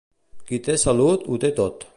Qui té salut ho té tot.